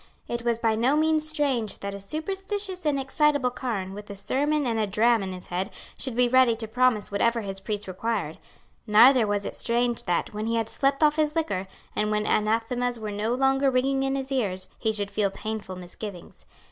It was by no means strange that a superstitious and excitable kerne, with a sermon and a dram in his head, should be ready to promise whatever his priests required; neither was it strange that, when he had slept off his liquor, and when anathemas were no longer ringing in his ears, he should feel painful misgivings.